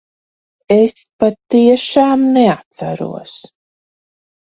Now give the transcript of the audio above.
Es patiešām neatceros.